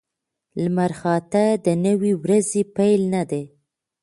لمرخاته د نوې ورځې پیل نه دی.